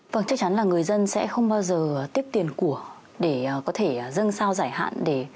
vâng chắc chắn là người dân sẽ không bao giờ tiếp tiền của để có thể dân sao giải hạn